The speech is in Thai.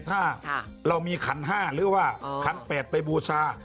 ถ้าเรามีขัน๕หรือว่าขัน๘ไปบูชา